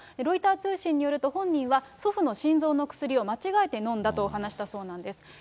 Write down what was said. ロイター通信によると、本人は祖父の心臓の薬を間違えて飲んだと話したそうなんです。